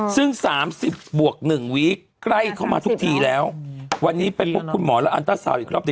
ซึ่ง๓๐บวก๑วีคใกล้เข้ามาทุกทีแล้ววันนี้ไปพบคุณหมอและอันตราซาวอีกรอบหนึ่ง